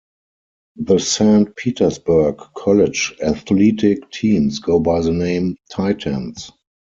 The Saint Petersburg College athletic teams go by the name Titans.